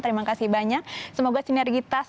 terima kasih banyak semoga sinergitas